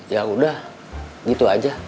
ya udah gitu aja